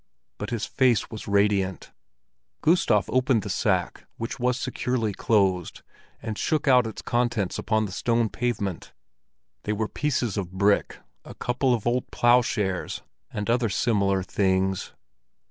But his face was radiant. Gustav opened the sack, which was securely closed, and shook out its contents upon the stone pavement. They were pieces of brick, a couple of old ploughshares, and other similar things.